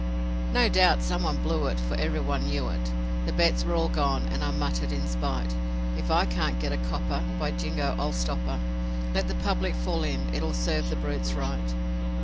'No doubt someone 'blew it', for everyone knew it, The bets were all gone, and I muttered in spite 'If I can't get a copper, by Jingo, I'll stop her, Let the public fall in, it will serve the brutes right.'